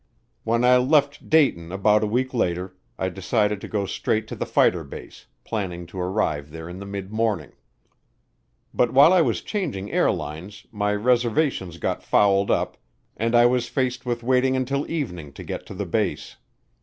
When I left Dayton about a week later I decided to go straight to the fighter base, planning to arrive there in midmorning. But while I was changing airlines my reservations got fouled up, and I was faced with waiting until evening to get to the base.